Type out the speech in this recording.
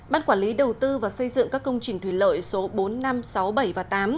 bán quản lý đầu tư và xây dựng các công trình thủy lợi số bốn năm sáu bảy và tám